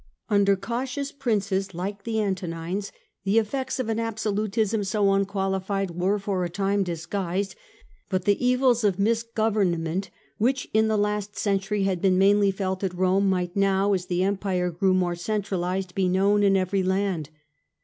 Under cautious princes like the Antonines the effects of an absolutism so unqualified were for a time disguised ; but the evils of misgovernment, which in the last century had been mainly felt at Rome, might now, as the empire grew more centralized, be known in every land.